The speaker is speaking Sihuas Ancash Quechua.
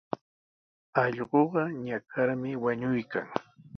Allquqa ñakarmi wañuykan.